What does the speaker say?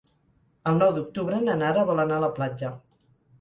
El nou d'octubre na Nara vol anar a la platja.